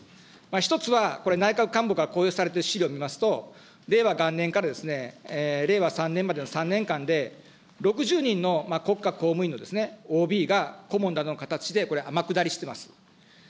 １つはこれ、内閣官房から公表されている資料を見ますと、令和元年から令和３年までの３年間で６０人の国家公務員のＯＢが顧問の形で、これ、天下りしてます。